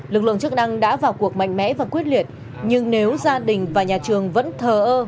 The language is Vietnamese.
lực lượng chức năng đã vào cuộc mạnh mẽ và quyết liệt nhưng nếu gia đình và nhà trường vẫn thờ ơ